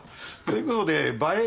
ということで「映え」